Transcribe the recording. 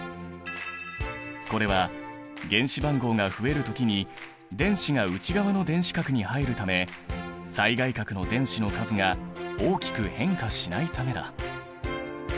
これは原子番号が増える時に電子が内側の電子殻に入るため最外殻の電子の数が大きく変化しないためだ。